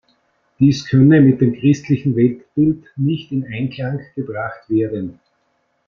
Dies könne mit dem christlichen Weltbild nicht in Einklang gebracht werden.